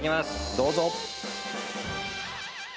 どうぞ。